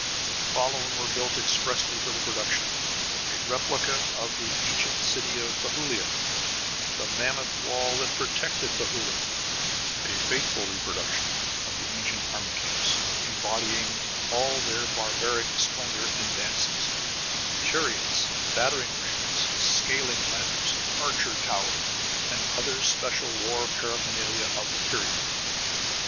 The following were built expressly for the production: a replica of the ancient city of Bethulia; the mammoth wall that protected Bethulia; a faithful reproduction of the ancient army camps, embodying all their barbaric splendor and dances; chariots, battering rams, scaling ladders, archer towers, and other special war paraphernalia of the period.